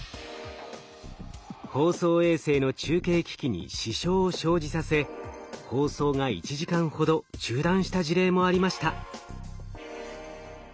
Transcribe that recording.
放送衛星の中継機器に支障を生じさせ放送が１時間ほど中断した事例もありました。